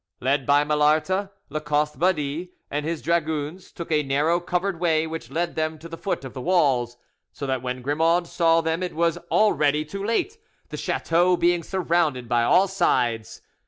Led by Malarte, Lacoste Badie and his dragoons took a narrow covered way, which led them to the foot of the walls, so that when Grimaud saw them it was already too late, the chateau being surrounded on all sides.